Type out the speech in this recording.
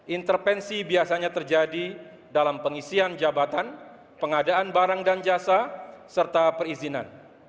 intervensi biasanya terjadi dalam pengisian jabatan pengadaan barang dan jasa serta perizinan